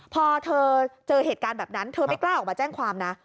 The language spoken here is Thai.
พอเธอเจอเหตุการณ์แบบนั้นเธอไม่กล้าออกมาแจ้งความนะ